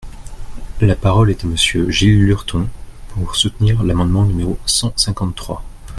La parole est à Monsieur Gilles Lurton, pour soutenir l’amendement numéro cent cinquante-trois.